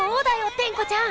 テンコちゃん！